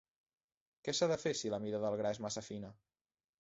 Què s'ha de fer si la mida del gra és massa fina?